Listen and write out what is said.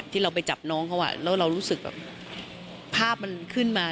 ที่เราไปจับน้องเขาแล้วเรารู้สึกแบบภาพมันขึ้นมา